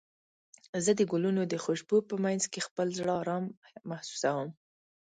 زه د ګلونو د خوشبو په مینځ کې خپل زړه ارام محسوسوم.